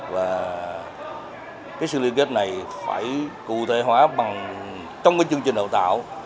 và cái sự lưu kết này phải cụ thể hóa trong cái chương trình đào tạo